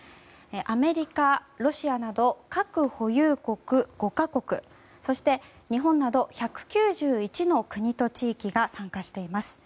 アメリカ、ロシアなど核保有国５か国そして、日本など１９１の国と地域が参加しています。